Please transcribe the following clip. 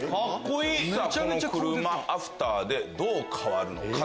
この車アフターでどう変わるのか。